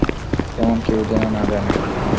তেমন কেউ যেন না জানে।